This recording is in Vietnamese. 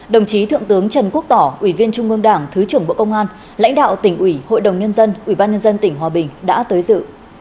đồng chí thượng tướng trần quốc tỏ ủy viên trung ương đảng thứ trưởng bộ công an lãnh đạo tỉnh ủy hội đồng nhân dân ủy ban nhân dân tỉnh hòa bình đã tới dự